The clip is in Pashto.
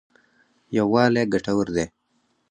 یوالی ګټور دی.